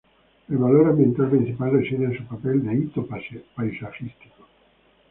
El valor ambiental principal reside en su papel de hito paisajístico.